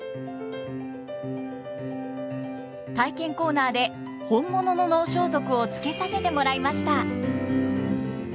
体験コーナーで本物の能装束を着けさせてもらいました。